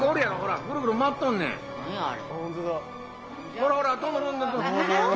ほらほら！